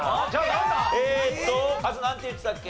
えっとカズなんて言ってたっけ？